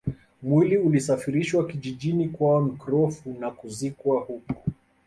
Mwili ulisafirishwa kijijini kwao Nkrofu na kuzikwa huko